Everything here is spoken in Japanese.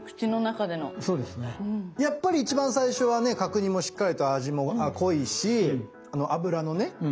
やっぱり一番最初はね角煮もしっかりと味も濃いしあの脂のね